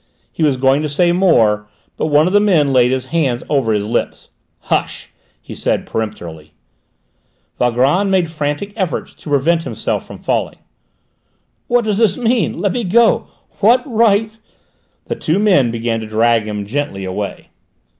He was going to say more, but one of the men laid his hand over his lips. "Hush!" he said peremptorily. Valgrand made frantic efforts to prevent himself from falling. "What does this mean? Let me go! What right " The two men began to drag him gently away.